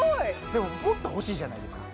でももっと欲しいじゃないですか？